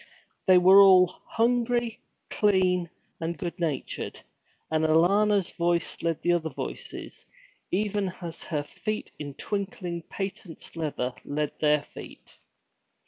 They were all hungry, clean, and good natured, and Alanna's voice led the other voices, even as her feet, in twinkling patent leather, led their feet.